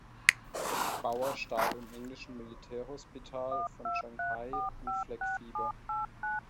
Bauer starb im englischen Militärhospital von Shanghai an Fleckfieber.